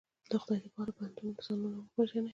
د خدای د پاره پښتنو ځانونه وپېژنئ